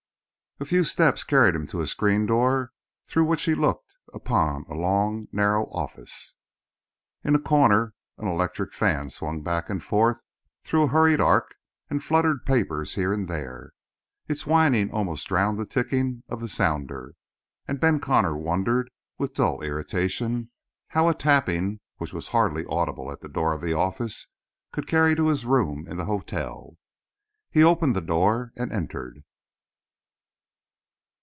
A few steps carried him to a screen door through which he looked upon a long, narrow office. In a corner, an electric fan swung back and forth through a hurried arc and fluttered papers here and there. Its whining almost drowned the ticking of the sounder, and Ben Connor wondered with dull irritation how a tapping which was hardly audible at the door of the office could carry to his room in the hotel. He opened the door and entered.